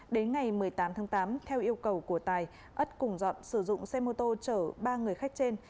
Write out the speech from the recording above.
đến ngày một mươi tám tháng tám theo yêu cầu của tài ất cùng dọn sử dụng xe mô tô chở ba người khách trên